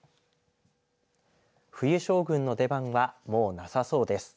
冬将軍の出番はもうなさそうです。